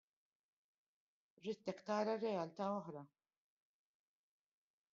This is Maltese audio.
Ridtek tara realtà oħra.